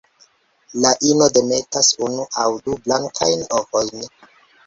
La ino demetas unu aŭ du blankajn ovojn.